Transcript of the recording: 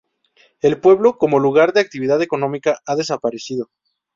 El pueblo como lugar de actividad económica ha desaparecido.